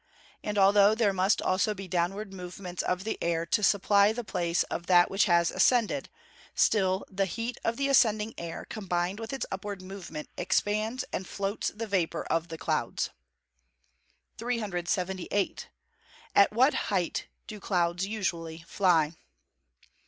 And, although there must also be downward movements of the air to supply the place of that which has ascended, still the heat of the ascending air, combined with its upward movement, expands and floats the vapour of the clouds. 378. _At what height do clouds usually fly?